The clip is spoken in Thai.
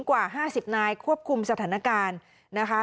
กว่า๕๐นายควบคุมสถานการณ์นะคะ